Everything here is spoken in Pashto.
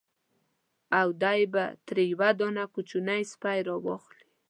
او دی به ترې یو دانه کوچنی سپی را واخلي.